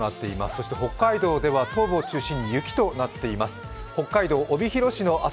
そして北海道では東部を中心に雪となっています。